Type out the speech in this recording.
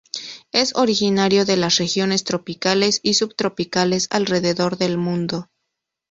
Es originario de las regiones tropicales y subtropicales alrededor del mundo.